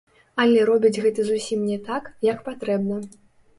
Але робяць гэта зусім не так, як патрэбна.